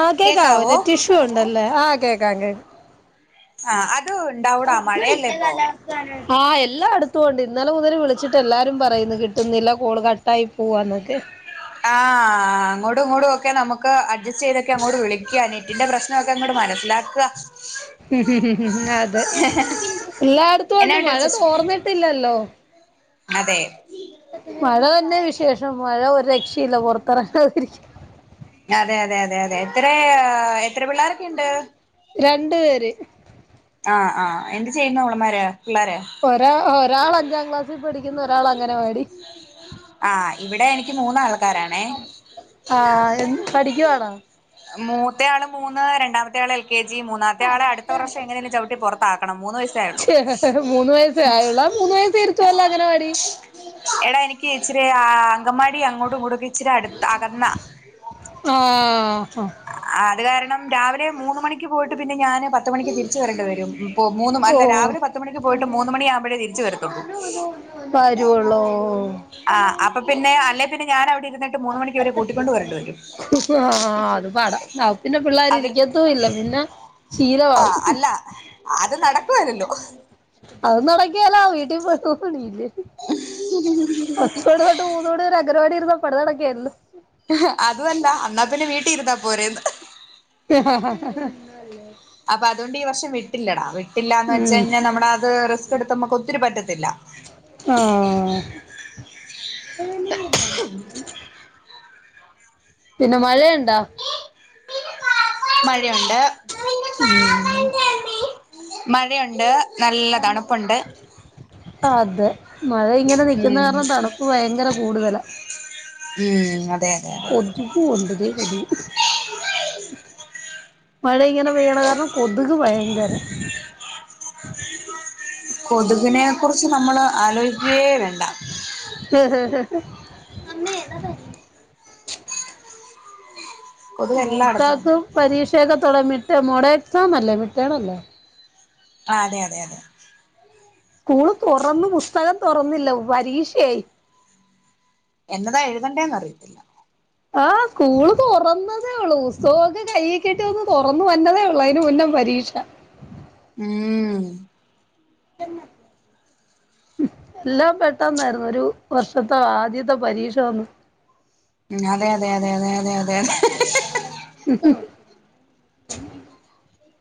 ആഹ് കേക്കാവോ net issue ഉണ്ടല്ലേ ആഹ് കേക്കാം കേ ആഹ് അത് ഉണ്ടാവൂടാ മഴയല്ലേ ഇപ്പൊ ആഹ് എല്ലാംടുത്തൊണ്ട് ഇന്നലെ മുതല് വിളിച്ചിട്ട് എല്ലാരും പറയുന്നു കിട്ടുന്നില്ല കോള് ക കട്ടായി പോവാനോക്കെ ആഹ് അങ്ങോ ടുംഇങ്ങോടും ഒക്കെ നമുക്ക് അഡ്ജസ്റ്റ് ചെയ്തൊക്കെ അങ്ങോട്ട് വിളിക്ക നെറ്റിന്റെ പ്രശ്ന നൊക്കെ അങ്ങോട് മനസ്സിലാക്ക ഉ ഉ അതെ എല്ലായിടത്തുണ്ട് എന്നാണ്ട് മഴ വിശേഷം തോർന്നിട്ടില്ലല്ലോ അതെ മഴ തന്നെ വിശേഷം മഴ ഒരു രക്ഷയില്ല പോറത്തിറങ്ങതിരിക്കും അതെ അതെ അതെ അതെ എത്ര എത്ര പിള്ളോരൊക്കെണ്ട് രണ്ടു പേര് ആഹ് ആഹ് എന്ത് ചെയ്യുന്നു അവളമാര് പിള്ളേര് ഒരാ ഒരാൾ അഞ്ചാം ക്ലാസ്സിൽ പഠിക്കുന്ന ഒരാൾ അംഗനവാടി ആഹ് ഇവിടെ എനിക്ക് മൂന്നാൾക്കാരാണേ ആ എന്ത് പഠിക്കുവാണോ മൂത്ത ആള് മൂന്ന് രണ്ടാമത്തെ ആൾ എൽ കെ ജി മൂന്നാത്തെ ആളെ അടുത്ത വർഷ എങ്ങനെങ്കും ചവിട്ടി പുറത്താക്കണം മൂന്ന് വയസ ആയോള്ളൂ ഛെ, മൂന്ന് വയസ്സ ആയുള്ള മൂന്ന് വയസ്സ് ലിരിതൊള്ളോ അംഗനവാടി എടാ എനിക്ക് ഇച്ചിരി ആ അങ്കമാടി അങ്ങോട്ടും ഇങ്ങോട്ടൊക്കെ ഇച്ചിരി അടുത്ത് അകന്നാ ആഹ് അത് കാരണം രാവിലെ മൂന്ന് മണിക്ക് പോയിട്ട് പിന്നെ ഞാന് പ പത്തുമണിക്ക് തിരിച്ച വരെണ്ടി വരും ഇ മൂന്ന് അല്ല ഓ രിവിലെ പത്ത് മണക്ക് പോയിട്ട് മൂന്ന്ണിയാവുമ്പോഴേതിരിച്ചു വരത്തുള്ളൂ വരോള്ളോ ആഹ് അപ്പ പിന്ന അല്ലെ പിന്നെ ഞാൻ അവിടെ ഇരുന്നിട്ട് മൂന്ന് മണിക്ക് ഇവരെ കൂട്ടിക്കൊണ്ട് വരേണ്ടി വരും ആഹ് അത് പാട പിന്നെ പിള്ളേർ ഇരിക്കത്തുല്ല പിന്നെ ആഹ് ശീലമാവും അല്ല അത് നടക്കെല്ലല്ലോ അത് നടകേലവീട്ടിൽ പോയിട്ട് പണിയില്ലെ പത്ത് മണി തൊട്ട് മൂന്നുമണി വരെ അങ്കനവാടിയിൽ ഇരുന്നപ്പ പണി നടക്കുകയായിരുന്നു അതുല്ല അന്നാ പിന്നെ വീട്ടിൽ ഇരുന്നാ പോരെന്ന് വരെ അംഗനവാടി ഇരുന്നാ പണി അപ്പൊ അതുകൊണ്ട് ഈ വർഷം വിട്ടില്ലടാ നടക്കേലല്ലോ വിട്ടില്ലന്ന് വെച്ച കഴിഞ്ഞാൽ ഉം നമ്മളത് റി സ്ക്ക് എടുത്ത് നമക്ക് ഒത്തിരി പറ്റത്തില്ല ആഹ് പിന്നെ മഴയുണ്ടാ? മഴയുണ്ട് ഉം മഴയുണ്ട് നല്ല തണുപ്പുണ്ട് അതെ മഴ ഇങ്ങനെ നിക്കുന്ന ഉം കാരണം ത ണുപ്പ് ഭയങ്കര കൂടുതല ഉം അതെ അതെ അതെ കൊതൂണ്ട് തേ കൊതു മഴ ഇങ്ങനെ പെയ്യണ കാരണം കൊതുക് ഭയങ്കര കൊതുകിനെ കുറിച്ച് നമ്മള് ആലോയ്ക്കേ വേണ്ട ഭയങ്കരം കൊതുക് എല്ലായിടത്തും മൂത്താക്ക് ഉണ്ട് പരീക്ഷയൊക്കെത്തടെ മിഡ് ടേം മോഡൽ എക്സാം അല്ലേ മിഡ് ടേം അല്ലേ ആഹ് അതെ അതെ അതെ സ്കൂള് തുറന്ന്‌ പുസ്തകം തൊറന്നില്ല പരീക്ഷയായി എന്നതാ എഴുതണ്ടേന്ന് അറിയത്തില്ല ആഹ് സ്കൂള് തുറന്നതേ ഉള്ളൂ പുസ്തവോക്കെ കൈയ്യി കിട്ടി ഒന്ന് തൊറന്നു വരുന്നതേ ഉള്ളു അയ്ന് മുന്നേ പരീ രീക്ഷ ഉം ഉം [unintelligible] എല്ലാം പെട്ടെന്നായിരുന്നു ഒരു വർഷത്തെ ആദ്യത്തെ പരീക്ഷ വന്ന് ഉം അതെ അതെ അതെ അതെ അതെ അതെ ഉ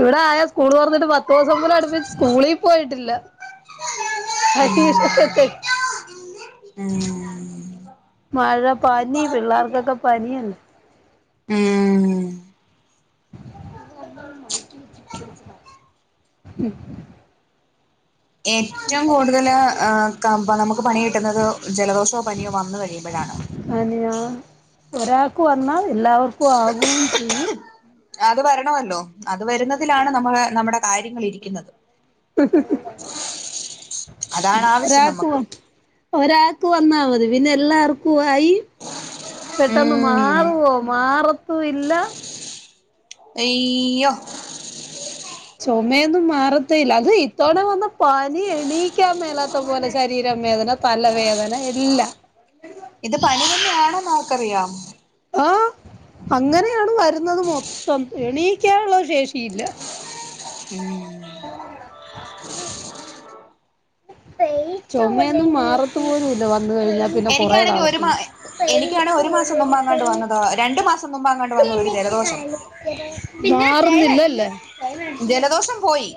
ഇവിടെ ആകെ സ്കൂള് തുറന്നിട്ട് പത്ത് ദിവസം പോലും അടുപ്പിച്ച് സ്കൂളീ പോയിട്ടില്ല പരീക്ഷക്കെത്ത് മഴ പനി പിള്ളേർക്കൊക്കെ പനിയുണ്ട് ഏഹ് ഒന്നും മൈക്ക് വെച്ചിട്ട് തെളിച്ച് പറയ് ഏറ്റവും കൂടുതൽ ഏഹ് ക നമുക്ക് പണി കിട്ടുന്നത് ജലദോഷോ പനിയോ വന്നു കഴിയുമ്പഴാണ് പനിയാ ഒരാൾക്ക് വന്നാ എല്ലാവർക്കും ആകൂം ചെയ്യും അത് വരണവല്ലോ അത് വരുന്നതിലാണ് നമ്മൾ നമ്മുടെ കാര്യങ്ങൾ ഇരിക്കുന്നത് അതാണ് ആവശ്യം നമക്ക് ഒരാൾക്ക് വന്നാ മതി പിന്നെ എല്ലാർക്കും ആയി പെട്ടെന്ന് ഉം മാറുവോ മാറത്തും ഇല്ല അയ്യോ ചൊമയൊന്നും മാറത്തെയില്ല അത് ഇത്തവണ വന്ന പനി എണീക്കാൻ മേലാത്ത പോലെ ശരീരം വേദന തലവേദന എല്ലാം ഇത് പനി തന്നാണോന്ന് ആർക്കറിയാം ആഹ അങ്ങനെയാണ് വരുന്നത് മൊത്തം എണീക്കാനുള്ള ശേഷിയില്ല ഉം ചൊമയൊന്നും മാറത്ത് പോലും ഇല്ല വന്ന് കഴിഞ്ഞ എനിക്കാണെങ്കി ഒരു മാ എനിക്കാണ് ഒരു മാസം മുമ്പ് അങ്ങാണ്ട് വന്നത രണ്ടു മാസം മുമ്പങാണ്ട് വന്നതാ ഒരു ജലദോഷം മാറുന്നില്ല അല്ലേ ജലദോഷം പോയി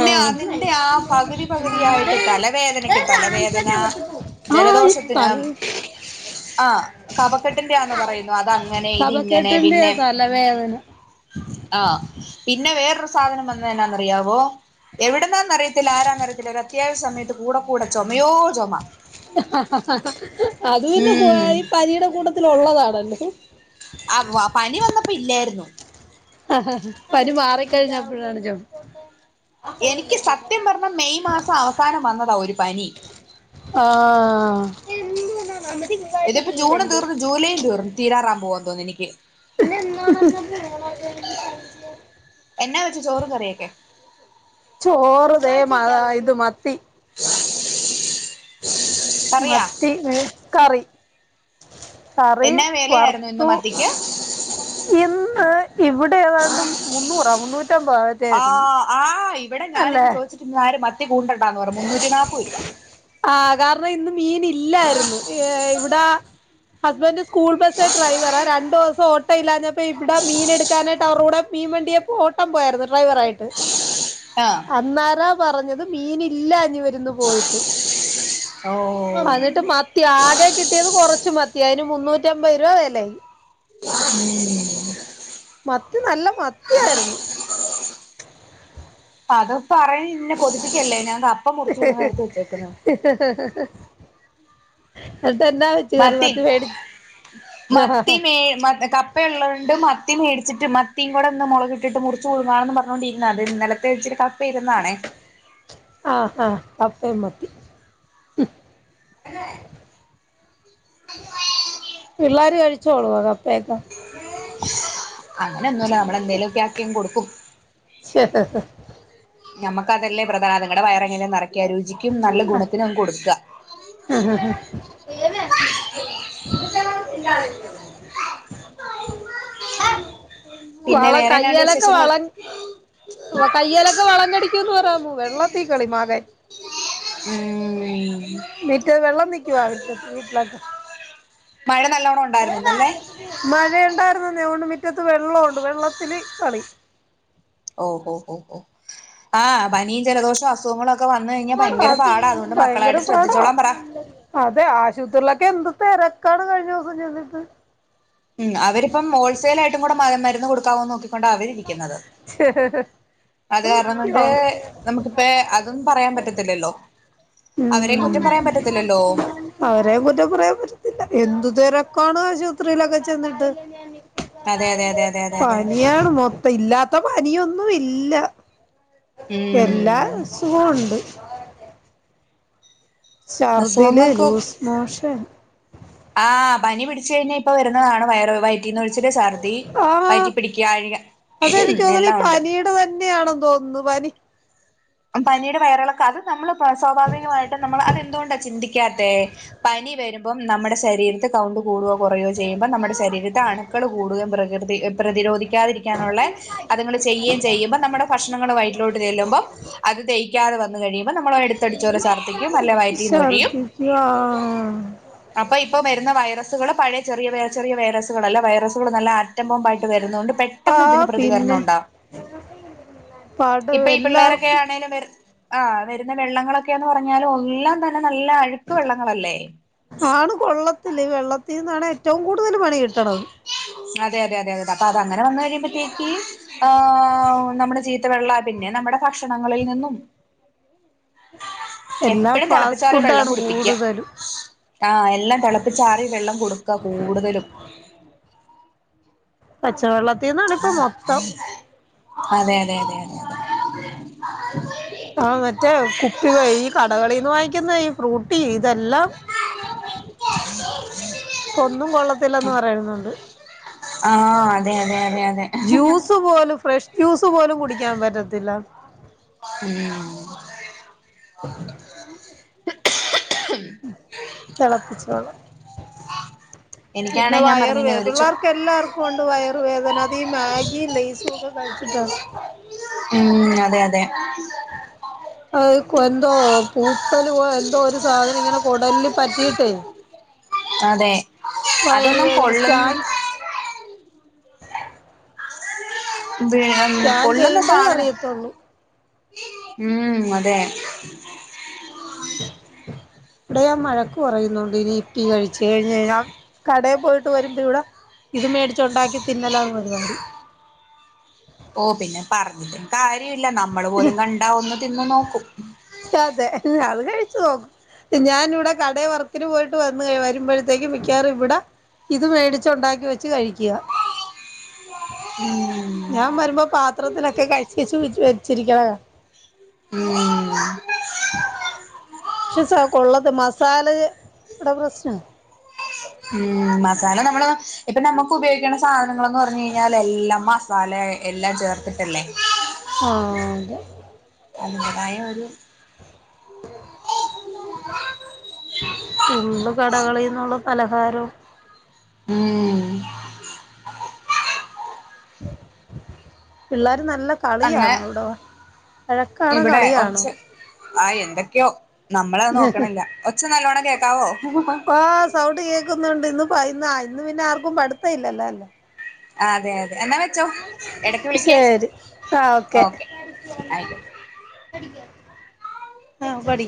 ആ അതിന്റെ ആ പകുതി പകുതിയായിട്ട് തലവേദനക്ക് തലവേദന ഈ ജലദോഷത്തിന് തല ആഹ് കഫക്കെട്ടിന്റെ ആന്ന് പറയുന്നു അതങ്ങനെ ഇതിങ്ങനെ [unintelligible] പിന്നെ തലവേദന ആഹ് പിന്നെ വേറൊരു സാധനം വന്നെ എന്നാനറിയാവോ എവിടുന്നാന്നറിയത്തില്ല ആരാന്നറിയത്തില്ല ഒരു അത്യാവശ്യ സമയത്ത് കൂടെ കൂടെ ചുമയോട് ചുമ അത് പിന്നെ ഉം [unintelligible] ഈ പനിയുടെ കൂട്ടത്തിൽ ഉള്ളതാണല്ലോ [unintelligible] പനി വന്നപ്പോ ഇല്ലാരുന്നു പനി മാറിക്കഴിഞ്ഞപ്പോഴാണ് [unintelligible] എനിക്ക് സത്യം പറഞ്ഞ മെയ് മാസം അവസാനം വന്നതാ ഒരു പനി ആഹ് ഇതിപ്പോ ജൂണും തീർന്നും ജൂലൈയും തീർന്നും തീരാറവാൻ പോകുവാൻ തോന്നുന്നു എനിക്ക് [unintelligible] എന്നാ വെച്ച് ചോറും കറിയൊക്കെ ചോറ് ദേ [unintelligible] മത്തി [inaudible] കറിയാ മത്തി മേ ക്കറി കറിയും എന്നാ വിലയായിരുന്നു ഇന്ന് വറുത്തു മത്തിക്ക് ഇന്ന് ഇവിടെ ഏതാണ്ട് മുന്നൂറാ മുന്നൂ ആഹ് ആഹ് ഇവിടെ ഞാനിന്ന് അല്ലേ ചോദിച്ചിട്ട് ആരും മത്തി കൂട്ടണ്ടാന്ന് പറഞ്ഞ് മുന്നൂറ്റി നാല്പ്പത് രൂപ ആഹ്. കാരണം ഇന്ന് മീൻ ഇല്ലായിരുന്നു ഏഹ് ഇവിടെ ഹസ്ബന്റ് സ്കൂൾ ബസ് ഡ്രൈവറാ രണ്ടു ദിവസം ഓട്ടം ഇല്ലാഞ്ഞപ്പോ ഇവിടെ മീൻ എടുക്കാനായിട്ട് അവര കൂടെ മീൻ വണ്ടിയെ ഓട്ടം പോയാരുന്നു ഡ്രൈവർ ആയിട്ട് ആഹ് അന്നാരാ പറഞ്ഞത് മീനില്ല [unintelligible] പോയിട്ട് ഓഹ് അന്നിട്ട് ആകെ കിട്ടിയത് കുറച്ച് മത്തിയ അതിന് മുന്നൂറ്റിമ്പത് രൂപ വിലയും ഉം മത്തി നല്ല മത്തിയാരുന്ന് അത് [unintelligible] കൊതിപ്പിക്കല്ലേ ഞാൻ മുറിച്ച് കൂട്ടുന്ന എടുത്ത് വെച്ചേക്കുന്നു എന്നിട്ടെന്നാ പറ്റി കറി മത്തി മേടിച്ച് [unintelligible] ഉപ്പ ഉള്ളോണ്ട് മത്തി മേടിച്ചിട്ട് മത്തിയും കൂടെ ഒന്ന് മുളകിട്ടിട്ട് മുറിച്ച് പുഴുങ്ങാന്നും പറഞ്ഞോണ്ടിരുന്നതാ അത് ഇന്നലത്തെ ഇച്ചിരി ക ഇരുന്നാണെ ആഹ് ആഹ് കപ്പയും മത്തി പിള്ളാര് കഴിച്ചോളുവോ കപ്പയൊക്കെ? അങ്ങനെ ഒന്നുല്ല നമ്മളെന്തേലൊക്കെ ആക്കിയങ്ങ് കൊടുക്കും നമ്മുക്കതല്ലേ പ്രധാനം ഇതിങ്ങടെ വയറെങ്ങനെയാ നറക്കാ രുചിക്കും നല്ല ഗുണത്തിനും അങ്ങ് കൊടുക്ക ആഹ് ആഹ് പിന്നെ വള വേറെന്നാണ്ട് കയ്യെലൊക്കെ വിശേഷങ്ങള് വളൻ കയ്യെലൊക്കെ വളം കടിക്കൂന്ന് പറ വെള്ളത്തീ കളി മകൻ ഉം ഉം [unintelligible] വെള്ളം നിക്കുവാ മുറ്റത്ത് വീട്ടിലൊക്കെ മഴ നല്ലോണം ഉണ്ടായിരുന്നോ നല്ലേ? മഴയുണ്ടായിരുന്നന്നെ അതോണ്ട് മിറ്റത്ത് വെള്ളവുണ്ട് വെള്ളത്തില് കളി ഓഹ ഓഹ് ഓഹ് ഓഹ് ആഹ് പനിയും ജലദോഷവും അസുഖങ്ങ ളൊക്കെ വന്ന് കഴിഞ്ഞാ ഭയങ്കര അത് പാട അതുകൊണ്ട് ഭയങ്കര മക്കളായിട്ട് പാടാ ശ്രദ്ധിച്ചോളാൻ പറ അതെ ആശുപത്രിയിലെക്കെ എന്ത് തെരക്കാണ് കഴിഞ്ഞ ദിവസം ചെന്നിട്ട് ഉം അവരിപ്പം ഹോൾസെയിൽ ആയിട്ടും കൂടെ മരുന്ന് കൊടുക്കാവോന്ന് നോക്കി കൊണ്ട അവരിരിക്കുന്നത് അത് കാരണം കൊണ്ട് നമുക്കിപ്പെ അതും പറയാൻ പറ്റത്തില്ലല്ലോ അവരെയും കുറ്റം പറയാൻ പറ്റത്തില്ലല്ലോ? അവരേം കുറ്റം പറയാൻ പറ്റത്തില്ല എന്തു തെരക്കാണ് ആശുപത്രിയിലൊക്കെ ചെന്നിട്ട് അതെ അതെ അതെ അതെ അതെ അതെ പനിയാണ് മൊ ത്തം ഇല്ലാത്ത പനിയൊന്നു ഇല്ല എല്ലാ ഉം അസുഖവും ഉണ്ട് ശർദില് അസുഖങ്ങൾക്ക് ലൂസ് മോഷൻ ആഹ് പനി പിടിച്ച് കഴിഞ്ഞാ ഇപ്പൊ വരുന്നതാണ് വയറ് വയ റ്റിന്നൊഴിച്ചില്, ഛർദി, ആഹ് വയറ്റി പിടിക്കാഴിക അതെനിക്ക് തോന്നുണു ഈ പനീടെ തന്നെയാണെന്ന് തോന്നുന്നു പനി ആഹ് പനിയിടെ വയറെളക്ക അത് നമ്മള് സ്വാഭാവികമായിട്ട് നമ്മൾ അതെന്തു കൊണ്ടാ ചിന്തിക്കാത്തെ? പനി വരുമ്പം നമ്മുടെ ശരീരത്ത് കൗണ്ട് കൂടോ കുറയോ ചെയ്യുമ്പോൾ നമ്മുടെ ശരീരത്ത് അണു ണുക്കള് കൂടുകയും പ്രകൃതി പ്രതിരോധി ക്കാതിരിക്കാനുള്ളെ അതിങ്ങള് ചെയ്യേം ചെയ്യുമ്പോ നമ്മുടെ ഭക്ഷണങ്ങള് വയറ്റിലോട്ട് ചെല്ലുമ്പം അത് ദഹിക്കാതെ വന്ന് കഴിയുമ്പോ നമ്മൾ എടുത്തടിച്ചോലെ ഛർദ്ദിക്കും അല്ലേ വയറ്റീന്നൊഴിയും ഛർദിക്കുക ആഹ് അപ്പൊ ഇപ്പ വരുന്ന വൈറസുകള് പഴയ ചെറിയ വ ചെറിയ വൈറസുകളല്ല വൈറസുകൾ നല്ല ആറ്റം ബോംബായിട്ട് വരുന്ന കൊണ്ട് പെ പെട്ടെന്ന് ആഹ് ഇതിന് പ്രതികരണം പിന്നെ ഉണ്ടാവും പാട് ഇപ്പൊ ഈ പിള്ളേരൊക്കെ എല്ലാർക്കും ആണേലും വ ആഹ് വരുന്ന വെള്ളങ്ങളൊക്കെ എന്ന് പറഞ്ഞാലും എല്ലാം തന്നെ നല്ല അഴുക്ക് വെള്ളങ്ങളല്ലേ ആണ് കൊള്ളത്തില്ല ഈ വെള്ളത്തിന്നാണ് ഏറ്റവും കൂടുതൽ പണി കിട്ടണത് അതെ അതെ അതെ അതെ അപ്പ അത് അങ്ങനെ വന്ന് കഴിയുമ്പത്തേക്ക് ആഹ് നമ്മളെ ചീ ത്ത വെള്ളവ പിന്നെ നമ്മുടെ ഭക്ഷണങ്ങളിൽ നിന്നും എല്ലാം എപ്പഴും ഫാസ്റ്റ് തെളപ്പിച്ചാറിയ വെള്ളം ഫുഡാണ് കുടിപ്പിക്ക കൂടുതലും ആഹ് എല്ലാം തിളപ്പിച്ചാറിയ വെള്ളം കൊടുക്ക കൂടുതലും പച്ച വെള്ളത്തീന്നാണ് ഇപ്പൊ മൊത്തം അതെ അതെ അതെ അതെ അതെ ആഹ് മറ്റേ കുപ്പി ഈ കടകളിന്ന് വാങ്ങിക്കുന്ന ഈ ഫ്രൂട്ടി ഇതെല്ലാം ഇപ്പൊന്നും കൊള്ളത്തില്ലന്ന് പറയുന്നുണ്ട്. ആഹ് അതെ അതെ അതെ അതെ ജ്യൂസ് പോലും ഫ്രഷ് ജ്യൂസ് പോലും കുടിക്കാൻ പറ്റത്തില്ല. ഉം തെളപ്പിച്ച വെള്ളം പിന്നെ എനിക്കാണെ ഞാൻ വയറു പറഞ്ഞില്ലേ വേദ ഒരു ചോ പിള്ളേർക്ക് എല്ലാർക്കും ഉണ്ട് വയറുവേദന അത് ഈ മാഗിയും ലൈസും ഒക്കെ കഴിച്ചിട്ടാ. ഉം അതെ അതെ [inaudible] അഹ് എന്തോ പൂപ്പല് പോലെ എന്തോ ഒരു സാധനം ഇങ്ങനെ കൊടലില് പറ്റിയിട്ടേ അതെ അതൊന്നും വയറുവേദന കൊള്ളു സ്കാൻ സ്കാൻ പൊള്ളുന്ന ചെയ്യുമ്പോഴേ സാധനം അറിയത്തുള്ളൂ മ്മ് അതെ ആ ഇവിടെ ഞാൻ വഴക്ക് പറയുന്നുണ്ട് ഇനി യിപ്പി കഴിച്ച് കഴിഞ്ഞ് കഴിഞ്ഞാൻ കടയിൽ പോയിട്ട് വരുമ്പോ ഇവിടെ. ഇത് മേടിച്ചുണ്ടാക്കി തിന്നലാണ് പരിപാടി. ഓ പിന്നെ പറഞ്ഞിട്ടും കാര്യമില്ല നമ്മള് പോലും കണ്ടാ ഒന്ന്. തിന്ന് നോക്കും. അതെ അത് കഴിച്ചു നോക്കും. ഞാനിവിടെ കടയിൽ വർക്കിന് പോയിട്ട് വന്ന് വരുമ്പോഴത്തേക്ക് മിക്കാവാറും ഇവിടെ. ഇത് മേടിച്ച് ഉണ്ടാക്കി വെച്ച് കഴിക്കുക. മ്മ് ഞാൻ വരുമ്പോ പാത്രത്തിനൊക്കെ കഴിച്ചേച്ച് വെച്ച് വെച്ചിരിക്കണ മ്മ് പക്ഷേ കൊള്ളത് മസാല എടെ പ്രശ്ന മ്മ് മ്മ് മസാല നമ്മള് ഇപ്പൊ നമുക്ക് ഉപയോഗിക്കണ സാധനങ്ങൾന്ന് പറഞ്ഞഴിഞ്ഞാൽ എല്ലാം മസാല. എല്ലാം ചേർത്തിട്ടല്ലേ ആഹ് അതെ അതിൻ്റെതായ ഒരു ഇന്ന് കടകളീന്നുള്ള പലഹാരോം മ്മ് മ്മ് പിള്ളാര് നല്ല അന്ന് കളിയാണോ അവിടെ വഴക്കാണോ ഇവിടെ ഒച്ച കളിയാണോ ആഹ് എന്തൊക്കെയോ നമ്മളത് നോക്കണില്ല ഒച്ച നല്ലോണ്ണം കേക്കാവോ ആഹ് സൗണ്ട് കേക്കുന്നുണ്ട് ഇന്ന് ഇ ഇന്ന് പിന്നെ ആർക്കും പഠിത്തം ഇല്ലല്ലോ അല്ലേ അതെ അതെ എന്നാ വ ച്ചോ എടക്ക് വിളിക്കേ ശരി ആ ഓക്കെ ആയിക്കോട്ടെ ആഹ് പഠിക്ക്